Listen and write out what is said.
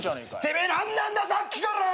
てめえ何なんださっきから！